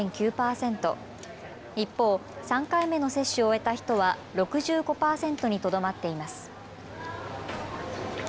一方、３回目の接種を終えた人は６５％にとどまっています。